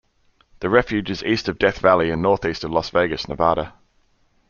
The refuge is east of Death Valley and northeast of Las Vegas, Nevada.